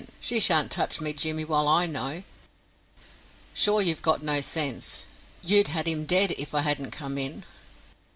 She sharn't touch me Jimmy while I know. Sure you've got no sense. You'd had him dead if I hadn't come in."